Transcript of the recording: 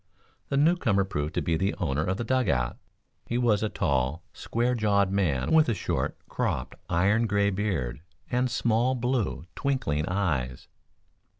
The newcomer proved to be the owner of the dug out. He was a tall, square jawed man, with a short, cropped iron gray beard and small blue, twinkling eyes.